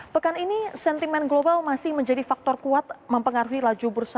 pekan ini sentimen global masih menjadi faktor kuat mempengaruhi laju bursa